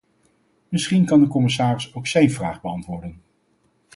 Misschien kan de commissaris ook zijn vraag beantwoorden.